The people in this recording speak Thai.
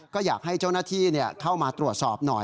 ก็อยากให้เจ้าหน้าที่เข้ามาตรวจสอบหน่อย